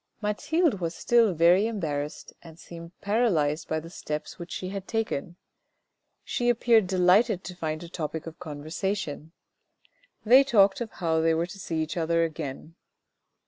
Mathilde was still very embarrassed and seemed paralysed by the steps which she had taken. She appeared delighted to find a topic of conversation. They talked of how they were to see each other again.